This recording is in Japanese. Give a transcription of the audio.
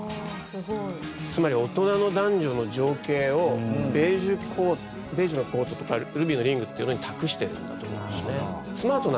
つまり、大人の男女の情景を「ベージュのコート」とか「ルビーのリング」っていうのに託しているんだと思うんですね。